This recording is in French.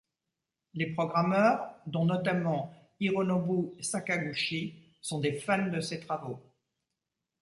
Les programmeurs, dont notamment Hironobu Sakaguchi, sont des fans de ses travaux.